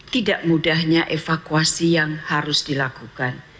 tidak mudahnya evakuasi yang harus dilakukan